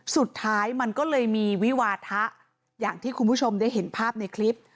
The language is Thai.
สุดท้ายมันก็เลยมีวิวาทะอย่างที่คุณผู้ชมได้เห็นภาพในคลิป